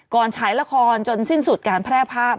ฉายละครจนสิ้นสุดการแพร่ภาพ